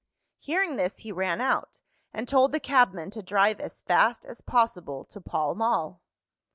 Hearing this, he ran out, and told the cabman to drive as fast as possible to Pall Mall.